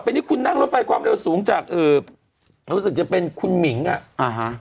อันนี้คุณนั่งรถไฟความเร็วสูงจากเอ่อรู้สึกจะเป็นคุณหมิงอ่ะอ่าฮะ